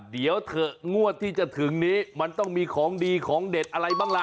เดี๋ยวเถอะงวดที่จะถึงนี้มันต้องมีของดีของเด็ดอะไรบ้างล่ะ